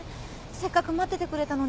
せっかく待っててくれたのに。